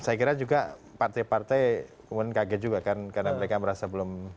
saya kira juga partai partai kemudian kaget juga kan karena mereka merasa belum